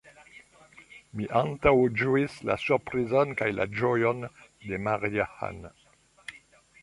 Mi antaŭĝuis la surprizon kaj la ĝojon de Maria-Ann.